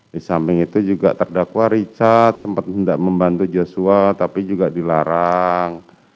di samping itu juga terdakwa richard sempat tidak membantu joshua tapi juga dilarang